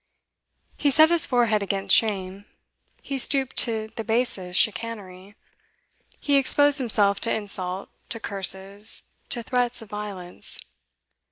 He set his forehead against shame; he stooped to the basest chicanery; he exposed himself to insult, to curses, to threats of violence.